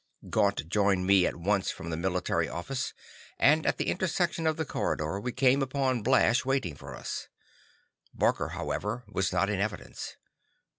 Gaunt joined me at once from the military office, and at the intersection of the corridor, we came upon Blash waiting for us. Barker, however, was not in evidence.